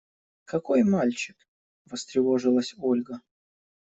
– Какой мальчик? – встревожилась Ольга.